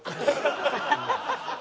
「ハハハハッ！」